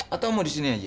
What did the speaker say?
atau mau disini aja